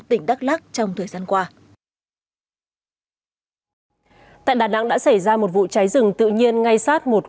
tỉnh đắk lắc trong thời gian qua tại đà nẵng đã xảy ra một vụ cháy rừng tự nhiên ngay sát một